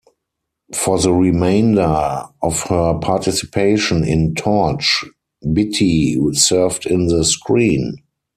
For the remainder of her participation in "Torch," "Beatty" served in the screen.